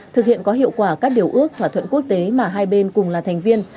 thực hiện có hiệu quả các điều ước thỏa thuận quốc tế mà hai bên cùng là thành viên